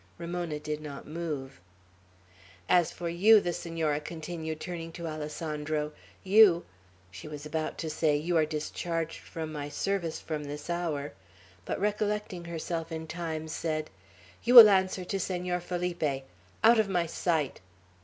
Ramona did not move. "As for you," the Senora continued, turning to Alessandro, "you," she was about to say, "You are discharged from my service from this hour," but recollecting herself in time, said, "you will answer to Senor Felipe. Out of my sight!"